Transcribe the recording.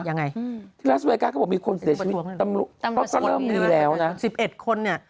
ยังไงที่รัสเวเกอร์เค้าบอกมีคนเสียชีวิตก็เริ่มมีแล้วนะ